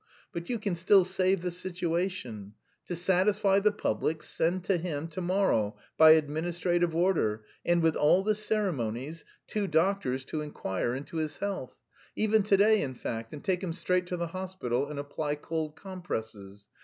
But you can still save the situation: to satisfy the public, send to him to morrow by administrative order, and with all the ceremonies, two doctors to inquire into his health. Even to day, in fact, and take him straight to the hospital and apply cold compresses.